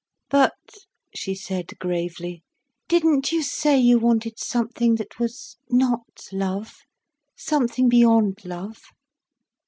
"But," she said gravely, "didn't you say you wanted something that was not love—something beyond love?"